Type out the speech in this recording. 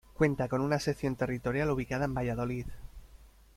Cuenta con una sección territorial ubicada en Valladolid.